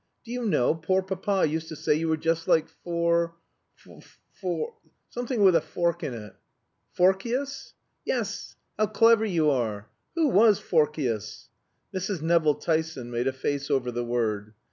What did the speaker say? Do you know, poor papa used to say you were just like Phorc Phorc something with a fork in it." "Phorcyas?" "Yes. How clever you are! Who was Phorc y as?" Mrs. Nevill Tyson made a face over the word.